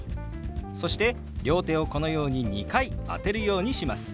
そして両手をこのように２回当てるようにします。